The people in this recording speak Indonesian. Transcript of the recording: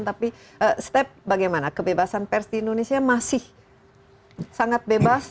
tapi step bagaimana kebebasan pers di indonesia masih sangat bebas